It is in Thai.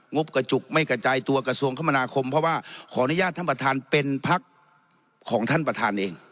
บกระจุกไม่กระจายตัวกระทรวงคมนาคมเพราะว่าขออนุญาตท่านประธานเป็นพักของท่านประธานเอง